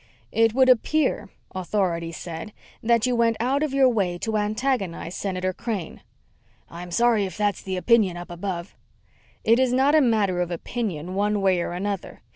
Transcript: "It would appear," Authority said, "that you went out of your way to antagonize Senator Crane." "I'm sorry if that's the opinion up above." "It is not a matter of opinion, one way or another.